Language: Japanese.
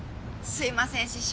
すいません師匠。